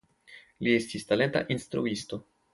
Li estis talenta instruisto.